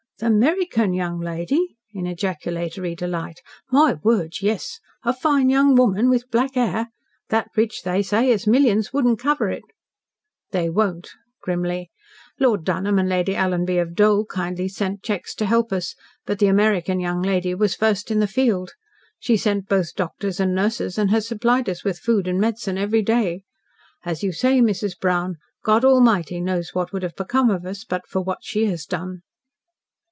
"The 'Merican young lady!" in ejaculatory delight. "My word, yes! A fine young woman with black hair? That rich, they say, as millions won't cover it." "They won't," grimly. "Lord Dunholm and Lady Alanby of Dole kindly sent cheques to help us, but the American young lady was first on the field. She sent both doctors and nurses, and has supplied us with food and medicine every day. As you say, Mrs. Brown, God Almighty knows what would have become of us, but for what she has done."